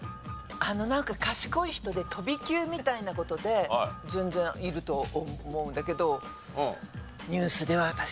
なんか賢い人で飛び級みたいな事で全然いると思うんだけど。